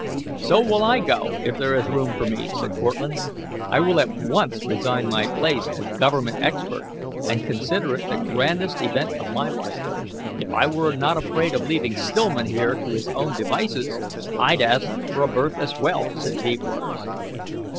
"So will I go, if there is room for me," said Cortlandt. "I will at once resign my place as Government expert, and consider it the grandest event of my life." "If I were not afraid of leaving Stillman here to his own devices, I'd ask for a berth as well," said Deepwaters.